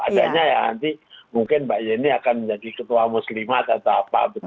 adanya ya nanti mungkin mbak yeni akan menjadi ketua muslimat atau apa